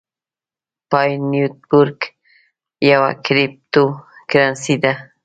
پای نیټورک یوه کریپټو کرنسۍ ده